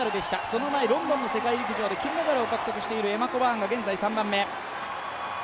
その前、ロンドンの世界陸上で金メダルを獲得しているエマ・コバーンが現在３番目。